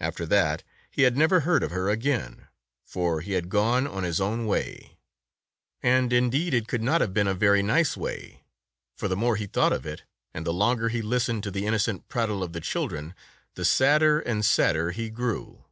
After that, he had never heard of her again, for he had gone on his own way. 98 Tales of Modern Germany And indeed, it could not have been a very nice way, for the more he thought of it, and the longer he listened to the innocent prattle of the children, the sadder and sadder he grew.